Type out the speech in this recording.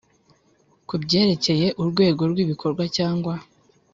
Ku byerekeye urwego rw ibikorwa cyangwa